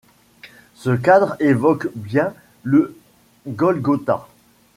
Ce cadre évoque bien le Golgotha.